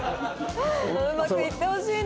うまくいってほしいな。